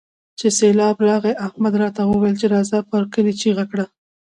چې سېبلاب راغی؛ احمد راته وويل چې راځه پر کلي چيغه کړه.